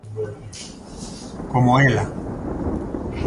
Como ela.